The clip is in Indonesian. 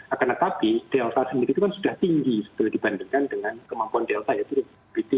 akan tetapi delta sendiri itu kan sudah tinggi setelah dibandingkan dengan kemampuan delta